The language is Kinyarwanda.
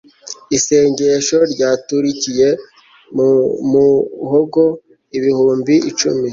isengesho ryaturikiye mu muhogo ibihumbi icumi